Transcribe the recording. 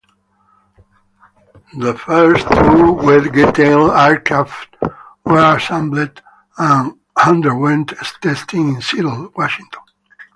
The first two Wedgetail aircraft were assembled and underwent testing in Seattle, Washington.